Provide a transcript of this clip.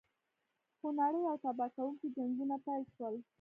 خونړي او تباه کوونکي جنګونه پیل شول.